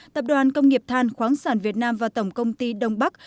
tập đoàn công nghiệp than khoáng sản việt nam và tổng công ty đông bắc